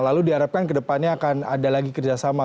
lalu diharapkan ke depannya akan ada lagi kerjasama